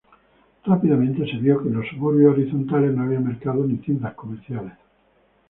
Rápidamente se vio que en los suburbios horizontales, no había mercados ni tiendas comerciales.